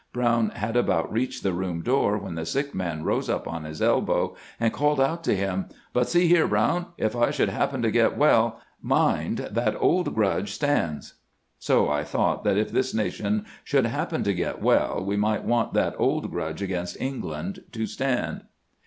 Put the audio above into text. Brown had about reached the room door when the sick man rose up on his elbow and called out to him :* But see here. Brown ; if I should happen to get well, mind, that old grudge stands.' So I thought that if this nation should happen to get well we might want that old grudge against England to stand."